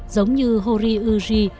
giống như horiyuji